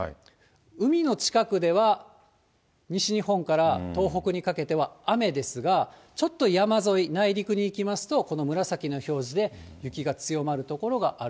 海の近くでは、西日本から東北にかけては雨ですが、ちょっと山沿い、内陸に行きますと、この紫の表示で、雪が強まる所がある。